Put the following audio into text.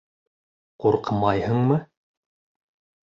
Ҡурҡмайһыңмы?